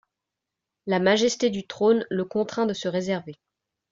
La majesté du trône le contraint de se réserver.